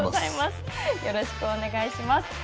よろしくお願いします。